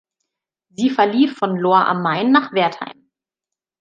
Sie verlief von Lohr am Main nach Wertheim.